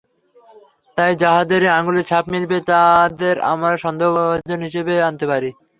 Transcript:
তাই যাদেরই আঙুলের ছাপ মিলবে, তাদের আমরা সন্দেহভাজন হিসেবে আনতে পারি।